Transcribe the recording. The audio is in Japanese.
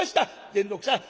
善六さん